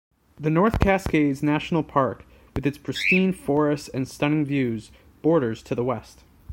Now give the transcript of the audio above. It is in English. The North Cascades National Park-with its pristine forests and stunning views-borders to the west.